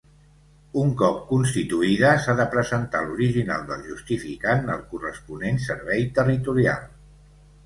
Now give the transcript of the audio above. Un cop constituïda, s'ha de presentar l'original del justificant al corresponent Servei Territorial.